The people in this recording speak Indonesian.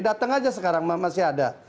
datang aja sekarang masih ada